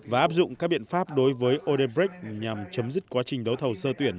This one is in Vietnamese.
và áp dụng các biện pháp đối với odepex nhằm chấm dứt quá trình đấu thầu sơ tuyển